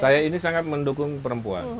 saya ini sangat mendukung perempuan